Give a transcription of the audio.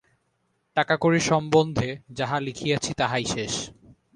টাকাকড়ি সম্বন্ধে যাহা লিখিয়াছি, তাহাই শেষ।